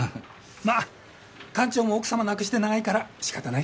まあ館長も奥様亡くして長いから仕方ないか。